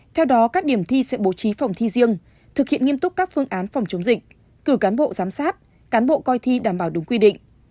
theo đó các điểm thi sẽ bố trí phòng thi riêng thực hiện nghiêm túc các phương án phòng chống dịch cử cán bộ giám sát cán bộ coi thi đảm bảo đúng quy định